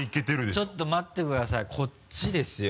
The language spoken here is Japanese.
ちょっと待ってくださいこっちですよ。